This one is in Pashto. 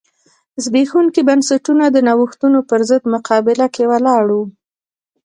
زبېښونکي بنسټونه د نوښتونو پرضد مقابله کې ولاړ و.